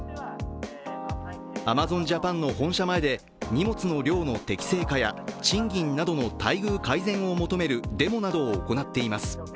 アマゾンジャパンの本社前で荷物の量の適正化や賃金などの待遇改善を求めるデモなどを行っています。